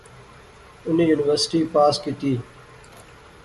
انی یونیورسٹی پاس کیتی